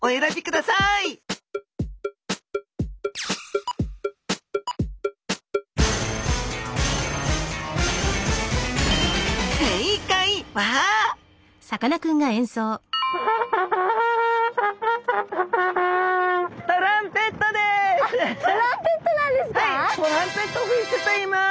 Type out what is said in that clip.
はいトランペットフィッシュといいます。